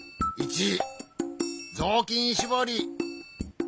ぞうきんしぼり。